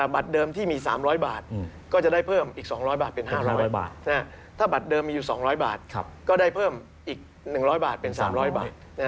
บัตรเดิมที่มี๓๐๐บาทก็จะได้เพิ่มอีก๒๐๐บาทเป็น๕๐๐บาทถ้าบัตรเดิมมีอยู่๒๐๐บาทก็ได้เพิ่มอีก๑๐๐บาทเป็น๓๐๐บาท